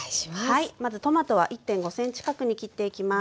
はいまずトマトは１．５ｃｍ角に切っていきます。